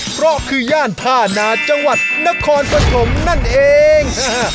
เพราะคือย่านท่านาจังหวัดนครปฐมนั่นเอง